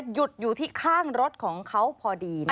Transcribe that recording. หยุดอยู่ที่ข้างรถของเขาพอดี